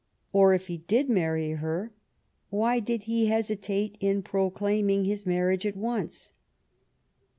Or if he did marry her, why did he hesitate in proclaiming his marriage at once?